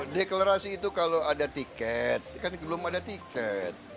deklarasi itu kalau ada tiket kan belum ada tiket